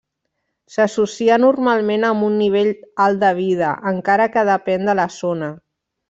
S'associa normalment amb un nivell alt de vida, encara que depèn de la zona.